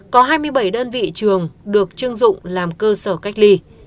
có hai mươi bảy đơn vị trường được chưng dụng làm cơ sở cách ly